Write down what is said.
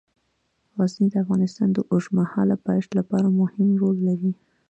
غزني د افغانستان د اوږدمهاله پایښت لپاره مهم رول لري.